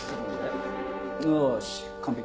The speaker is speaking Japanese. よし完璧。